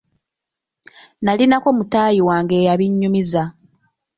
Nnalinako mutaayi wange eyabinyumiza.